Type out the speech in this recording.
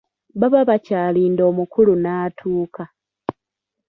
Baba bakyalinda omukulu n'atuuka.